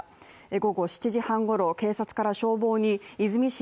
午後７時半ごろ警察から消防に和泉市